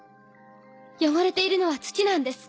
汚れているのは土なんです。